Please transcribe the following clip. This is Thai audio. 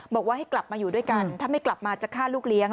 บอกว่าให้กลับมาอยู่ด้วยกันถ้าไม่กลับมาจะฆ่าลูกเลี้ยง